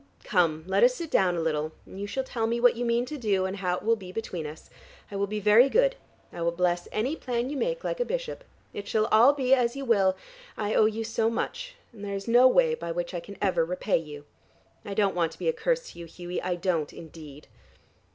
Come, let us sit down a little, and you shall tell me what you mean to do, and how it will be between us. I will be very good: I will bless any plan you make, like a bishop. It shall all be as you will. I owe you so much and there is no way by which I can ever repay you. I don't want to be a curse to you, Hughie; I don't indeed."